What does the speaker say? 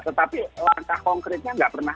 tetapi langkah konkretnya nggak pernah